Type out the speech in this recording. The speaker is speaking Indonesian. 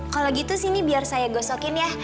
kalau gitu sini biar saya gosokin ya